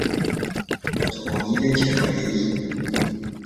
اتومبیل کرایهای